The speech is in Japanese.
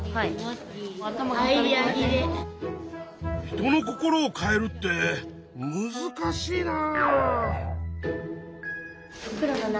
人の心を変えるってむずかしいな！